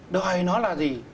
đòi nó là gì